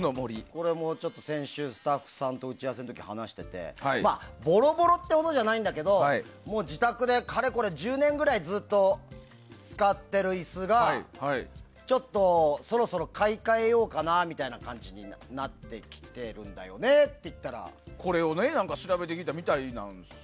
これ、先週スタッフさんと打ち合わせの時、話しててボロボロってほどじゃないんだけど、もう自宅でかれこれ１０年ぐらいずっと使ってる椅子がちょっと、そろそろ買い替えようかなみたいな感じになってきてるんだよねって言ったらこれを調べてきたみたいなんです。